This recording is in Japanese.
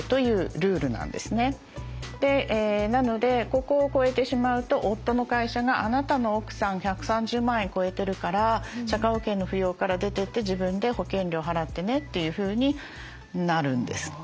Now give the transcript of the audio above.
なのでここを超えてしまうと夫の会社があなたの奥さん１３０万円超えてるから社会保険の扶養から出てって自分で保険料を払ってねというふうになるんです。